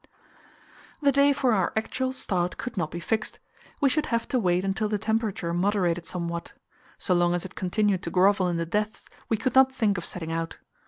The day for our actual start could not be fixed; we should have to wait until the temperature moderated somewhat. So long as it continued to grovel in the depths, we could not think of setting out.